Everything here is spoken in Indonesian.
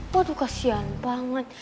waduh kasian banget